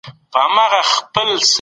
هغه څوک چي درناوی کوي، محبوب دی.